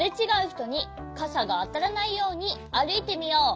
ひとにかさがあたらないようにあるいてみよう。